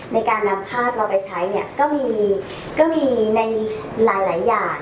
ในการนำภาพเราไปใช้เนี่ยก็มีในหลายอย่าง